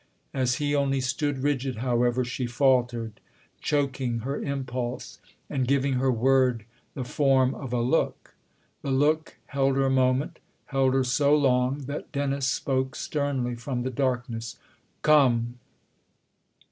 As he only stood rigid, however, she faltered, choking her impulse and giving her word the form of a look. The look held her a moment, held her so long that Dennis spoke sternly from the darkness :" Come